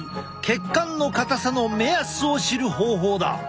血管の硬さの目安を知る方法だ。